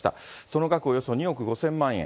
その額およそ２億５０００万円。